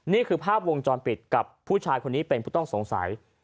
นี่คือภาพวงจรปิดกับผู้ชายคนนี้เป็นผู้ต้องสงสัย